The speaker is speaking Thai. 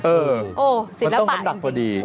เออมันต้องคำหนักกระดับตัวดี